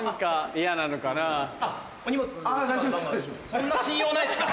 そんな信用ないっすか？